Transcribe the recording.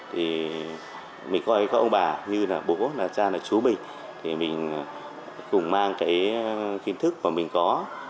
thì mình coi các ông bà như là bố là cha là chú bình thì mình cùng mang cái kiến thức mà mình có